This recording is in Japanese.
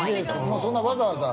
◆そんなわざわざ。